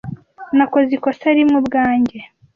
Nakoze ikosa rimwe ubwanjye.